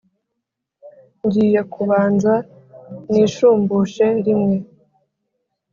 ngiye kubanza nishumbushe rimwe"!.